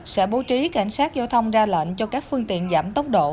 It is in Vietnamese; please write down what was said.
sẽ bố trí cảnh sát giao thông ra lệnh cho các phương tiện giảm tốc độ